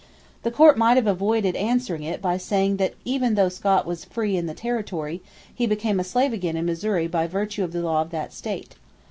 The Court might have avoided answering it by saying that even though Scott was free in the territory, he became a slave again in Missouri by virtue of the law of that state.